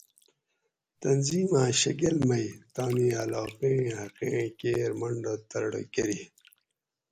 تنظیماۤں شکل مئی تانی علاقیں حقیں کیر منڈہ ترڑہ کۤری